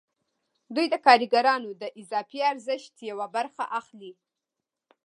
دوی د کارګرانو د اضافي ارزښت یوه برخه اخلي